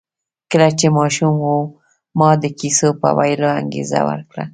کله چې ماشوم و ما د کیسو په ویلو انګېزه ورکړه